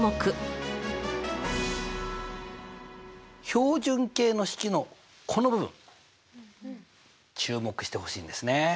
標準形の式のこの部分注目してほしいんですね。